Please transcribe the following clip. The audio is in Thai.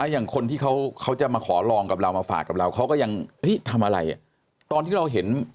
อย่างคนที่เขาจะมาขอลองกับเรามาฝากกับเราเขาก็ยังทำอะไรตอนที่เราเห็น